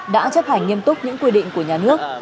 đã chấp hành nghiêm túc những quy định của nhà nước